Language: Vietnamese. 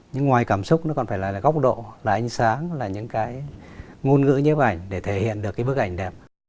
nhưng ngoài cảm xúc nó còn phải là góc độ là ánh sáng là những ngôn ngữ như vậy để thể hiện được bức ảnh đẹp